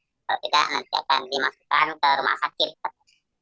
kalau tidak nanti akan dimasukkan ke rumah sakit